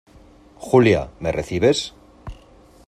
Julia, ¿ me recibes?